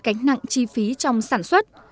cánh nặng chi phí trong sản xuất